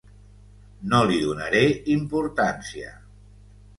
No li donaré importància.